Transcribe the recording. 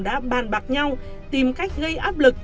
đã bàn bạc nhau tìm cách gây áp lực